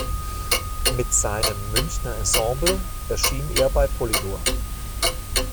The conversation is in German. Mit seinem Münchner Ensemble erschien er bei Polydor.